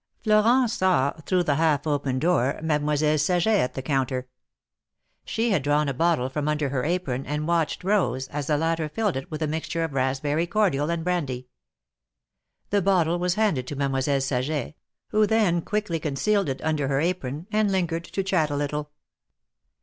Florent saw, through the half open door. Mademoiselle Saget at the counter. She had drawn a bottle from under her apron, and watched Rose, as the latter filled it with a mixture of raspberry cordial and brandy. The bottle was handed to Mademoiselle Saget, who then quickly concealed it under her apron, and lingered to chat a little.